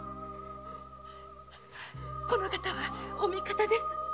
この方はお味方です。